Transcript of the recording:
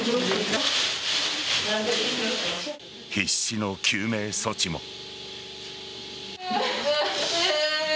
必死の救命措置も。